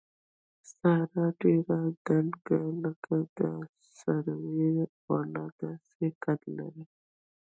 ساره ډېره دنګه لکه د سروې ونه داسې قد لري.